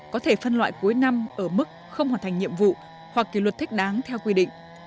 có thể phân loại cuối năm ở mức không hoàn thành nhiệm vụ hoặc kỳ luật thích đáng theo quy định